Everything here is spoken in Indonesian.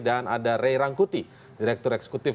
dan ada ray rangkuti direktur eksekutif